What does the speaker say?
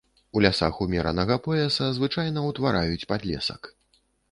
У лясах умеранага пояса звычайна ўтвараюць падлесак.